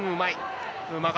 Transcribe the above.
うまい。